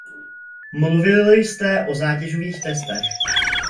Mluvil jste o zátěžových testech.